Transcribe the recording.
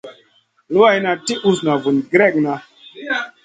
Luwayna ti usna vun gerekna.